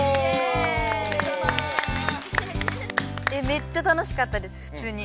めっちゃ楽しかったですふつうに。